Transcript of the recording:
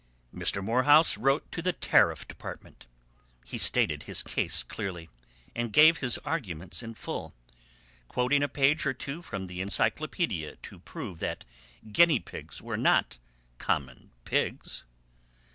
Mr. Morehouse wrote to the Tariff Department. He stated his case clearly, and gave his arguments in full, quoting a page or two from the encyclopedia to prove that guinea pigs were not common pigs.